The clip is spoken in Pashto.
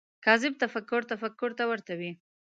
کاذب تفکر تفکر ته ورته وي